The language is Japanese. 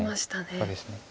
ここです。